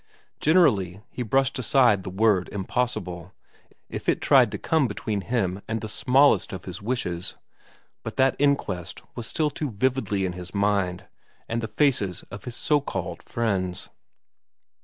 Generally he brushed aside the word impossible if it tried to come between him and the smallest of his wishes, but that inquest was still too vividly in his mind, and the faces of his so called friends.